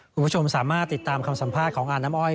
คุณผู้ชมสามารถติดตามคำสัมภาษณ์ของอาน้ำอ้อย